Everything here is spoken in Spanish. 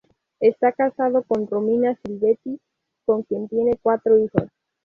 Está casado con Romina Silvetti con quien tiene cuatro hijos.